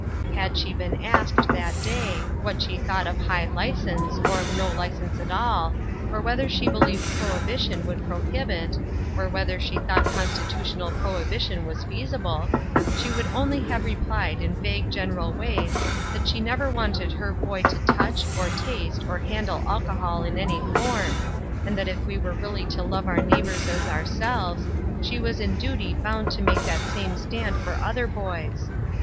Had she been asked, that day, what she thought of high license, or of no license at all, or whether she believed prohibition would prohibit, or whether she thought constitutional prohibition was feasible, she could only have replied in vague general ways that she never 296 " NEXT MOST. »> wanted her boy to touch, or taste, or handle alco hol in any form, and that if we were really to love our neighbors as ourselves, she was in duty bound to take that same stand for other boys.